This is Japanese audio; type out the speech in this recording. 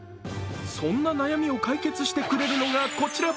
そんな悩みを解決してくれるのがこちら。